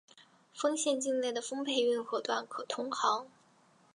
丰县境内的丰沛运河段可通航。